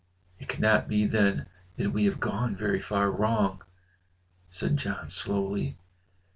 '" "It cannot be then that we have gone very far wrong," said John slowly.